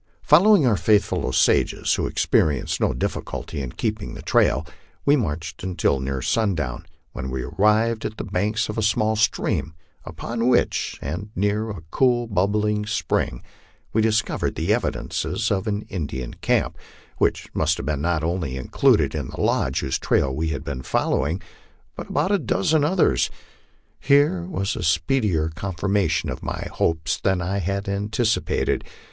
Following our faithful Osages, who experienced no difficulty in keeping the trail, we marched until near sundown, when we arrived at the banks of a small stream upon which, and near a cool, bubbling spring, we discovered the evidences of an Indian camp, which must have not only included the lodge whose trail we had been following, but about a dozen others. Here was a speedier confirmation of my hopes than I had anticipated.